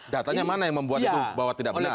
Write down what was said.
datanya mana yang membuat itu bahwa tidak benar